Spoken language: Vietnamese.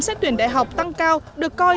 xét tuyển đại học tăng cao được coi